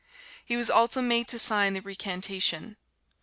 He also was made to sign the recantation.